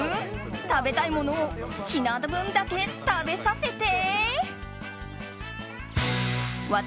食べたいものを好きな分だけ食べさせて！